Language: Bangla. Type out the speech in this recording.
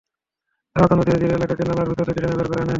তাঁরা অত্যন্ত ধীরে ধীরে এলাকে নালার ভেতর থেকে টেনে বের করে আনেন।